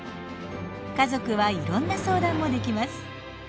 家族はいろんな相談もできます。